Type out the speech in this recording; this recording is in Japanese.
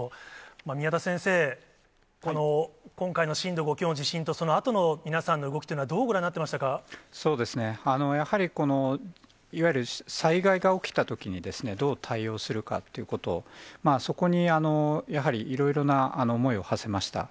宮田先生、今回の震度５強の地震と、そのあとの皆さんの動きというのはどうそうですね、やはり、いわゆる災害が起きたときにどう対応するかってこと、そこにやはり、いろいろな思いをはせました。